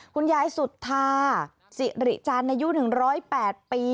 คุณย่าสุธาสิริจาณอายุ๑๐๘ปี